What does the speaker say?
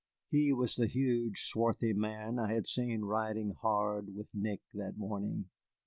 He was the huge, swarthy man I had seen riding hard with Nick that morning.